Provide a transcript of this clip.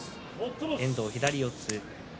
遠藤、左四つ。